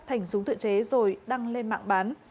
thành súng tự chế rồi đăng lên mạng bán